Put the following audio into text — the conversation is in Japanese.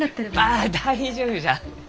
あっ大丈夫じゃ！